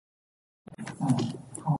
胜嘅